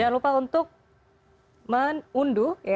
jangan lupa untuk menunduk